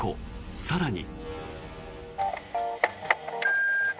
更に。